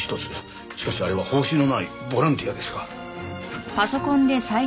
しかしあれは報酬のないボランティアですが。